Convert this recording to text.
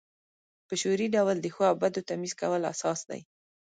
په شعوري ډول د ښو او بدو تمیز کول اساس دی.